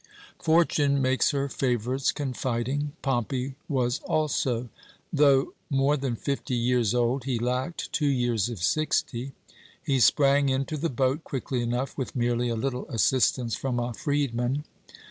"Fortune makes her favourites confiding. Pompey was also. Though more than fifty years old he lacked two years of sixty he sprang into the boat quickly enough, with merely a little assistance from a freedman.